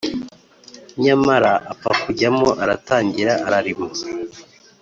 nyamara apfa kujyamo aratangira ararima.